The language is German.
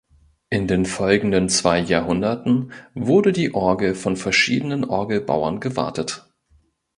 In den folgenden zwei Jahrhunderten wurde die Orgel von verschiedenen Orgelbauern gewartet.